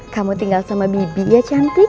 kamu tinggal sama bibi ya cantik